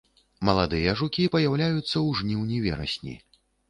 Маладыя жукі паяўляюцца ў жніўні-верасні.